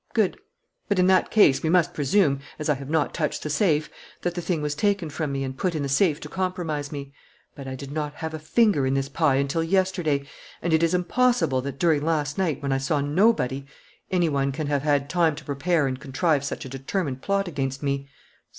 Good! But, in that case, we must presume, as I have not touched the safe, that the thing was taken from me and put in the safe to compromise me. But I did not have a finger in this pie until yesterday; and it is impossible that, during last night, when I saw nobody, any one can have had time to prepare and contrive such a determined plot against me.